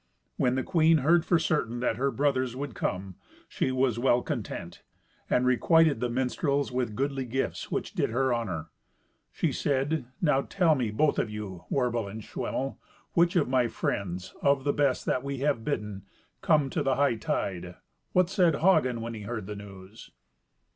When the queen heard for certain that her brothers would come, she was well content, and requited the minstrels with goodly gifts, which did her honour. She said, "Now tell me, both of you, Werbel and Schwemmel, which of my friends, of the best that we have bidden, come to the hightide. What said Hagen when he heard the news?"